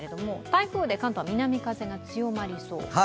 台風で関東は南風が強まりそう？